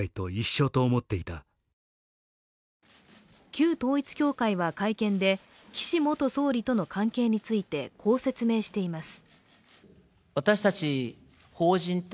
旧統一教会は会見で、岸元総理との関係についてこう説明しています。